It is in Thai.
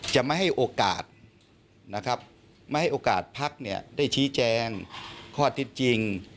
จะไม่ให้โอกาสนะครับไม่ให้โอกาสพักเนี่ยได้ชี้แจงข้อเท็จจริง